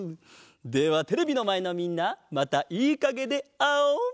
ではテレビのまえのみんなまたいいかげであおう！